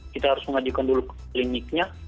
kita harus mengajukan dulu kliniknya